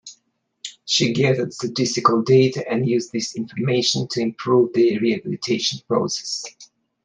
She gathered statistical data and used this information to improve the rehabilitation process.